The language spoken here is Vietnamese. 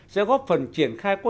sẽ góp phần triển khai có hiệu lực